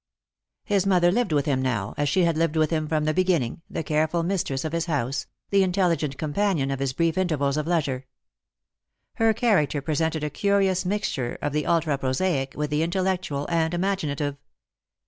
His mother lived with him now, as she had lived with him from the beginning, the careful mistress of his house, the in telligent companion of his brief intervals of leisure. Her character presented a curious mixture of the ultra prosaic with the intellectual and imaginative.